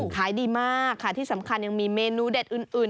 ขายดีมากค่ะที่สำคัญยังมีเมนูเด็ดอื่น